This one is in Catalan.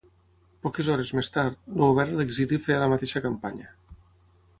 Poques hores més tard, el govern a l’exili feia la mateixa campanya.